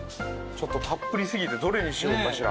たっぷり過ぎてどれにしようかしら。